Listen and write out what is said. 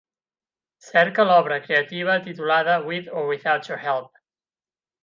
Cerca l'obra creativa titulada With or Without Your Help